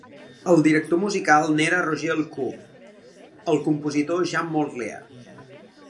El director musical n'era Roger Elcourt, el compositor, Jean Morlier.